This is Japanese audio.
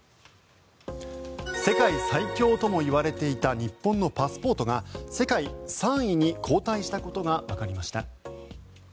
世界最強ともいわれていた日本のパスポートが世界３位に後退したことがわかりました。